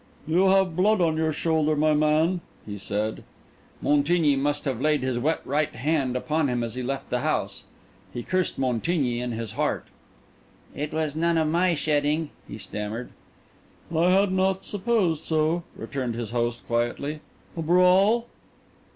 "You have blood on your shoulder, my man," he said. Montigny must have laid his wet right hand upon him as he left the house. He cursed Montigny in his heart. "It was none of my shedding," he stammered. "I had not supposed so," returned his host quietly. "A brawl?"